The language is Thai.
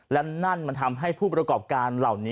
และนั่นมันทำให้ผู้ประกอบการเหล่านี้